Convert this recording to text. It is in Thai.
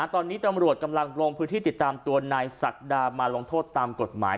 ตอนนี้ตำรวจกำลังลงพื้นที่ติดตามตัวนายศักดามาลงโทษตามกฎหมาย